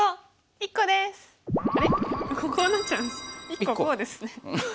１個こうですね。